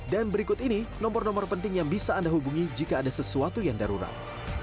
dan berikut ini nomor nomor penting yang bisa anda hubungi jika ada sesuatu yang darurat